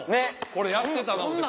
これやってたな思うて。